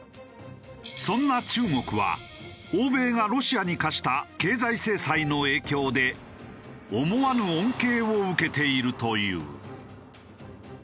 そんな中国は欧米がロシアに科した経済制裁の影響で思わぬ恩恵を受けているという。